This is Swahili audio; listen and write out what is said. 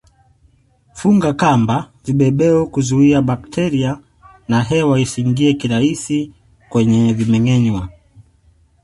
Funga kamba vibebeo kuzuia bakteria na hewa isiingie kirahisi kwenye vimengenywa